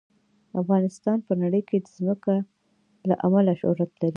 افغانستان په نړۍ کې د ځمکه له امله شهرت لري.